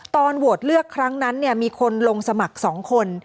ตอนโหวตเลือกครั้งนั้นมีคนลงสมัคร๒คน